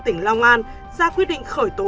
tỉnh long an ra quyết định khởi tố